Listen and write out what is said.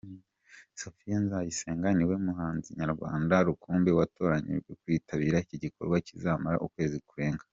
Sophia Nzayisenga niwe muhanzi nyarwanda rukumbi watoranyijwe kwitabira iki gikorwa kizamara Ukwezi kurenga.